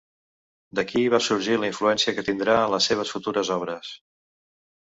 D'aquí va sorgir la influència que tindrà en les seves futures obres.